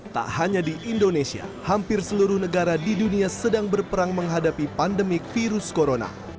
tak hanya di indonesia hampir seluruh negara di dunia sedang berperang menghadapi pandemik virus corona